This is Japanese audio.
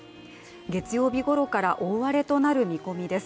月曜日ごろから大荒れとなる見込みです。